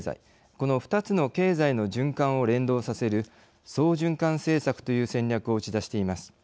この２つの経済の循環を連動させる双循環政策という戦略を打ち出しています。